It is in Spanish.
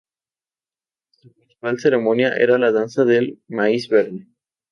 Su principal ceremonia era la danza del Maíz Verde.